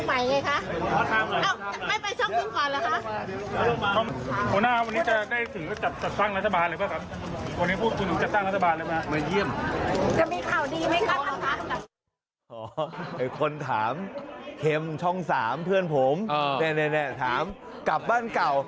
คนถามเข็มช่อง๓เพื่อนผมถามกลับบ้านเก่า